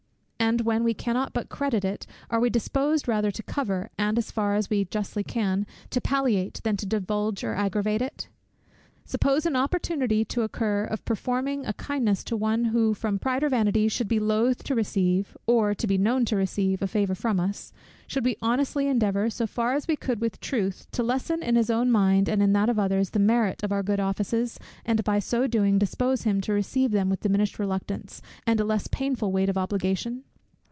and when we cannot but credit it, are we disposed rather to cover, and as far as we justly can, to palliate, than to divulge or aggravate it? Suppose an opportunity to occur of performing a kindness, to one who from pride or vanity should be loth to receive, or to be known to receive, a favour from us; should we honestly endeavour, so far as we could with truth, to lessen in his own mind and in that of others the merit of our good offices, and by so doing dispose him to receive them with diminished reluctance, and a less painful weight of obligation?